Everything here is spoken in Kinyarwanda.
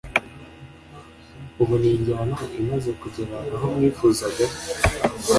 ubona iyi njyana imaze kugera aho mwifuzaga